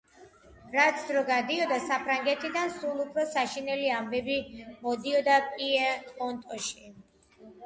რაც დრო გადიოდა, საფრანგეთიდან სულ უფრო საშინელი ამბები მიდიოდა პიემონტში.